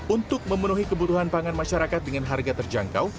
untuk memenuhi kebutuhan pangan masyarakat dengan harga terjangkau